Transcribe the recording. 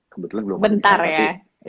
kebetulan belum bisa nanti bentar ya